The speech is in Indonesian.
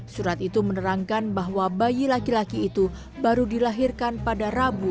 surat itu menerangkan bahwa bayi laki laki itu baru dilahirkan pada rabu